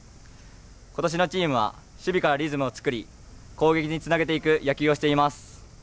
今年のチームは守備からリズムを作り、攻撃につなげていく野球をしています。